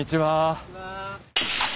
こんにちは。